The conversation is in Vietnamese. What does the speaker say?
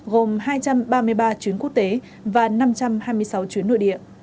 gồm hai trăm ba mươi ba chuyến quốc tế và năm trăm hai mươi sáu chuyến nội địa